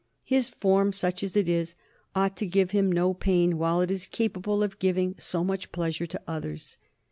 His form, such as it is, ought to give him no pain while it is capable of giving so much pleasure to others.